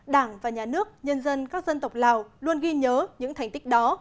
đảng và nhà nước nhân dân các dân tộc lào luôn ghi nhớ những thành tích đó